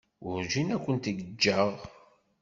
Werǧin ad kent-ǧǧeɣ.